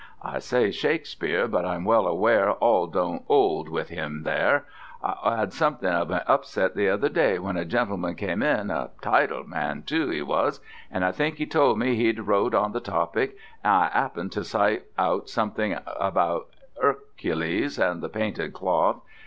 I say Shakespeare, but I'm well aware all don't 'old with me there I 'ad something of an upset the other day when a gentleman came in a titled man, too, he was, and I think he told me he'd wrote on the topic, and I 'appened to cite out something about 'Ercules and the painted cloth.